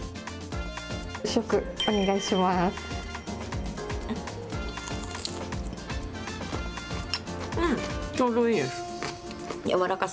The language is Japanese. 試食、お願いします。